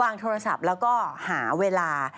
โทรศัพท์แล้วก็หาเวลา